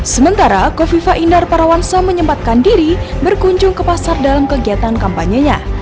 sementara kofifa indar parawansa menyempatkan diri berkunjung ke pasar dalam kegiatan kampanyenya